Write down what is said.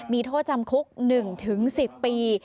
มีโทษจำคุก๑๑๐ปี